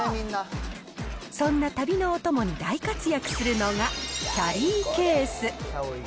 そんな旅のお供に大活躍するのがキャリーケース。